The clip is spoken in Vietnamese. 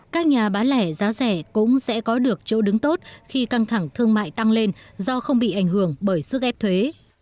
các nhà bán lẻ giá rẻ cũng sẽ có được chỗ đứng tốt khi căng thẳng thương mại tăng lên do không bị ảnh hưởng bởi sức ép thuế